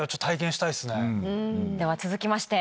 では続きまして。